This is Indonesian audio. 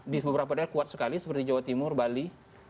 di beberapa daerah kuat sekali seperti jawa timur bali